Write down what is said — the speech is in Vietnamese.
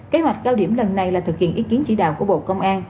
kế hoạch cao điểm lần này là thực hiện ý kiến chỉ đạo của bộ công an